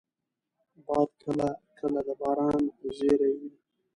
باد کله کله د باران زېری وي